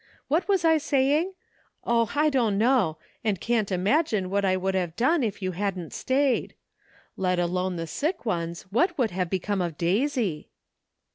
What was I saying? Oh! I don't know and can't imagine what I would have done if you hadn't stayed. Let alone the sick ones, what would have be come of Daisy?"